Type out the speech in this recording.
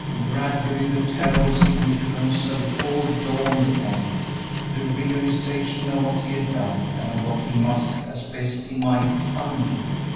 Gradually the terrible significance of it all dawned upon him, the realization of what he had done and of what he must, as best he might, undo.